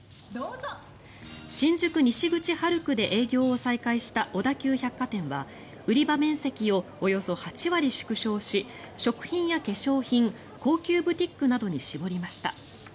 新宿西口ハルクで営業を再開した小田急百貨店は売り場面積をおよそ８割縮小し食品や化粧品高級ブティックなどに絞りました。